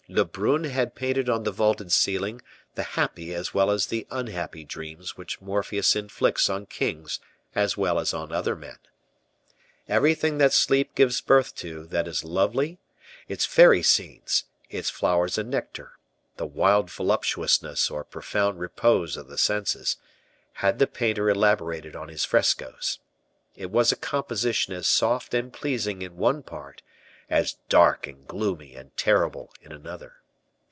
Lebrun had painted on the vaulted ceiling the happy as well as the unhappy dreams which Morpheus inflicts on kings as well as on other men. Everything that sleep gives birth to that is lovely, its fairy scenes, its flowers and nectar, the wild voluptuousness or profound repose of the senses, had the painter elaborated on his frescoes. It was a composition as soft and pleasing in one part as dark and gloomy and terrible in another.